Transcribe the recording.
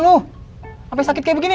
loh sampai sakit kayak begini